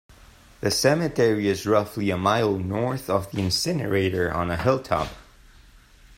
The cemetery is roughly a mile north of the incinerator on a hilltop.